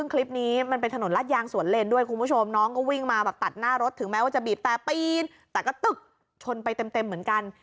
คลิปนี้มันเป็นถนนลาดยางสวนเลนด้วยคุณผู้ชมน้องก็วิ่งมาแบบตัดหน้ารถถึงแม้ว่าจะบีบแต่ปีนแต่ก็ตึกชนไปเต็มเหมือนกัน